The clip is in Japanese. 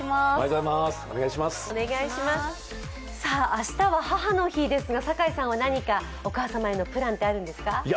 明日は母の日ですが、酒井さんは何か、お母様へのプランはあるんですか？